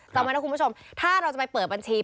จำไว้นะคุณผู้ชมถ้าเราจะไปเปิดบัญชี